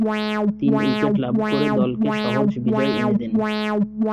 তিন উইকেট লাভ করে দলকে সহজ বিজয় এনে দেন।